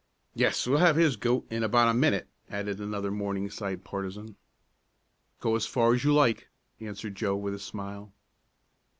"Yes, we'll have his goat in about a minute!" added another Morningside partizan. "Go as far as you like," answered Joe with a smile.